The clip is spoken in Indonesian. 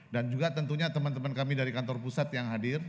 dan juga tentunya teman teman kami dari kantor pusat yang hadir